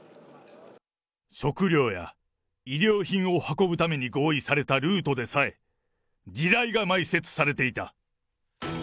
食糧や衣料品を運ぶために合意されたルートでさえ、地雷が埋設されていた。